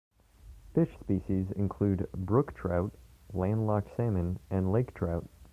Fish species include brook trout, landlocked salmon, and lake trout.